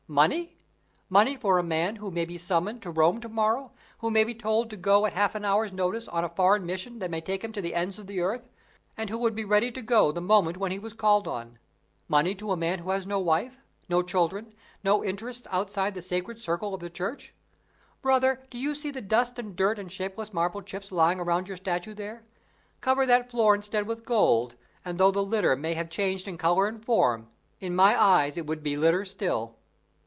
Money! money for a man who may be summoned to Rome to morrow, who may be told to go at half an hour's notice on a foreign mission that may take him to the ends of the earth, and who would be ready to go the moment when he was called on! Money to a man who has no wife, no children, no interests outside the sacred circle of the Church! Brother, do you see the dust and dirt and shapeless marble chips lying around your statue there? Cover that floor instead with gold, and, though the litter may have changed in color and form, in my eyes it would be litter still."